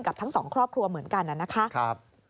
กับทั้งสองครอบครัวเหมือนกันน่ะนะคะ